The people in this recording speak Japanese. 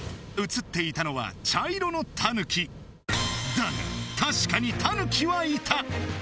映っていたのは茶色のタヌキだが確かにタヌキはいた！